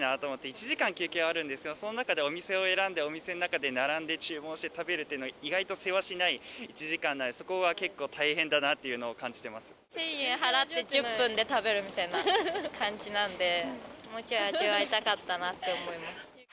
１時間休憩はあるんですけど、その中でお店を選んで、お店の中で並んで注文して食べるっていうのは意外とせわしない１時間なので、そこは結構、１０００円払って１０分で食べるみたいな感じなんで、もうちょい味わいたかったなって思います。